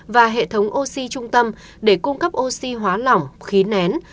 và hệ thống oxy trung tâm để cung cấp oxy hóa lỏng khí nén